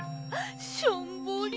しょんぼり。